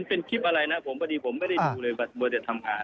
เป็นคลิปอะไรนะครับผมพอดีผมไม่ได้ดูเลยบัตรบัตรธรรมขาด